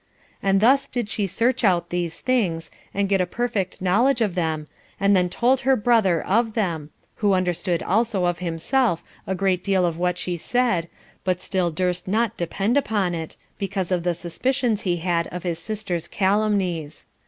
And thus did she search out these things, and get a perfect knowledge of them, and then told her brother of them, who understood also of himself a great deal of what she said, but still durst not depend upon it, because of the suspicions he had of his sister's calumnies.